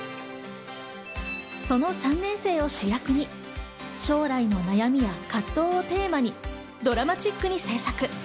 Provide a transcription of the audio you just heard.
その３年生を主役に将来の悩みや葛藤をテーマにドラマチックに制作。